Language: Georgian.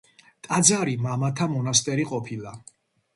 ტაძარი მამათა მონასტერი ყოფილა.